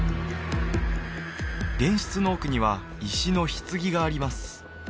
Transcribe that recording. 玄室の奥には石の棺があります